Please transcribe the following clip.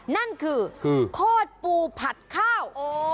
นั่นคือโคตรปูผัดข้าว